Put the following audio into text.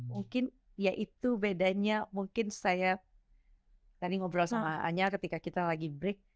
mungkin ya itu bedanya mungkin saya tadi ngobrol sama anya ketika kita lagi break